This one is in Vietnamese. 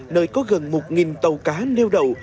nơi có gần một tàu cá nêu đầu